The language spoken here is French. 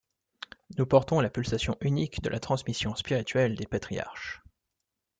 Nous portons la pulsation unique de la transmission spirituelle des Patriarches.